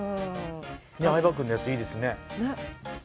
相葉君のやつ、いいですね。